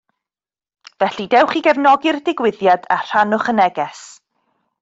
Felly dewch i gefnogi'r digwyddiad a rhannwch y neges